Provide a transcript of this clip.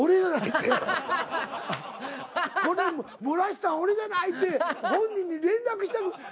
漏らしたん俺じゃないって本人に連絡したく